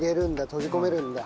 閉じ込めるんだ。